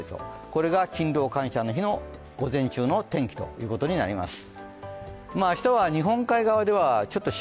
これが勤労感謝の日の午前中の天気ということになります。